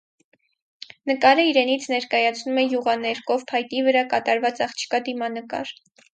Նկարը իրենից ներկայացնում է յուղաներկով փայտի վրա կատարված աղջկա դիմանկար։